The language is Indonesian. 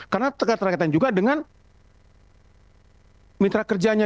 karena terkaitan juga dengan mitra kerjanya